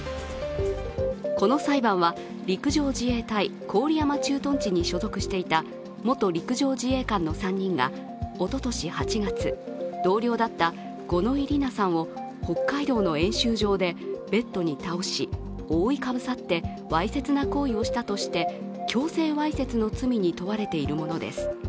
この裁判は陸上自衛隊郡山駐屯地に所属していた元陸上自衛官の３人がおととし８月、同僚だった五ノ井里奈さんを北海道の演習場でベッドに倒し、覆いかぶさってわいせつな行為をしたとして強制わいせつの罪に問われているものです。